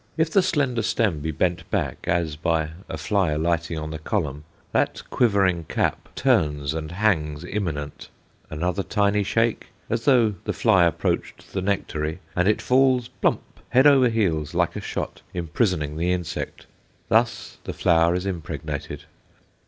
If the slender stem be bent back, as by a fly alighting on the column, that quivering cap turns and hangs imminent; another tiny shake, as though the fly approached the nectary, and it falls plump, head over heels, like a shot, imprisoning the insect. Thus the flower is impregnated.